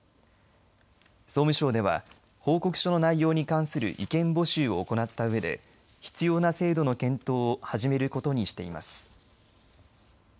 総務省では報告書の内容に関する意見募集を行ったうえで必要な制度の検討を始めることにしています。